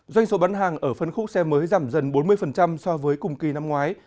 doanh số bán hàng ở phân khúc xe mới giảm dần bốn mươi so với cùng kỳ năm ngoái